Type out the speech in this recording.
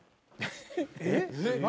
えっ？